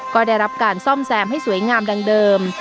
ก็ได้รับการซ่อมแซมให้สวยงามดังเดิม